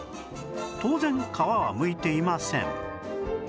当然皮はむいていません